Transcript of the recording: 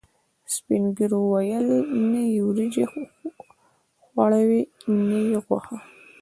سپینږیرو ویل: نه یې وریجې خوړاوې، نه یې غوښه.